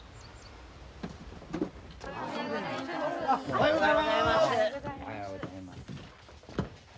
おはようございます。